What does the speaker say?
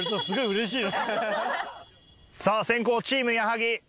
さぁ先攻チーム矢作。